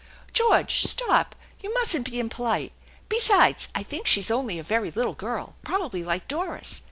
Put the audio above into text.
" George, stop ! You mustn't be impolite. Besides, I think she's only a very little girl, probably like Doris.